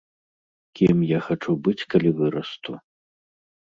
Кім я хачу быць, калі вырасту.